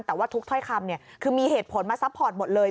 แต่ว่าทุกถ้อยคำคือมีเหตุผลมาซัพพอร์ตหมดเลย